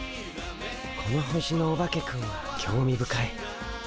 この星のオバケくんは興味深い。